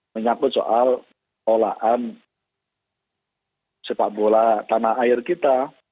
menyakut soal olahan sepak bola tanah air kita